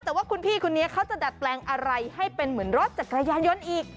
แต่ว่าคุณพี่คนนี้เขาจะดัดแปลงอะไรให้เป็นเหมือนรถจักรยานยนต์อีก